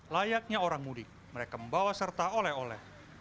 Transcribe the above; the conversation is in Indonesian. layaknya orang mudik mereka membawa serta oleh oleh